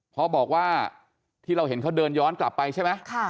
เพราะบอกว่าที่เราเห็นเขาเดินย้อนกลับไปใช่ไหม